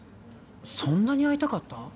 そんなに会いたかった？